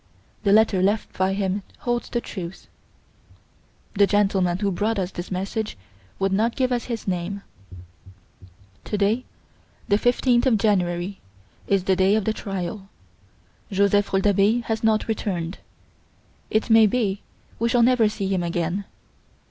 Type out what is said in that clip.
The letter left by him holds the truth.' The gentleman who brought us this message would not give us his name. "To day, the 15th of January, is the day of the trial. Joseph Rouletabille has not returned. It may be we shall never see him again.